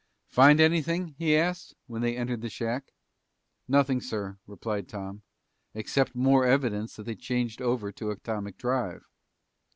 "Find anything?" he asked, when they entered the shack. "Nothing, sir," replied Tom. "Except more evidence that they changed over to atomic drive."